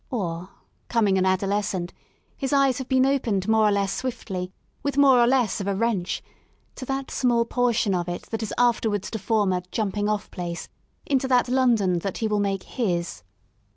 Or, coming an adolescent, his eyes have been opened more or less swiftly, with more or less of a wrench, to that small portion of it that is afterwards to form a ^* jump ing off place" into that London that hewill make his."